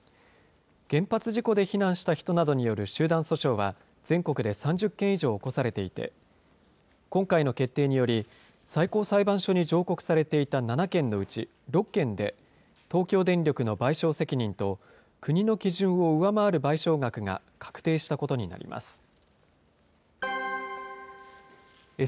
原発事故で避難した人などによる集団訴訟は、全国で３０件以上起こされていて、今回の決定により、最高裁判所に上告されていた７件のうち６件で東京電力の賠償責任と、国の基準を上回る賠償額が確定したことになります。